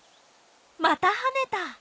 またはねた。